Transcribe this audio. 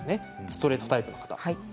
ストレートタイプの方は。